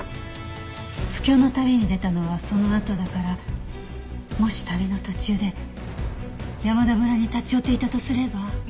布教の旅に出たのはそのあとだからもし旅の途中で山田村に立ち寄っていたとすれば。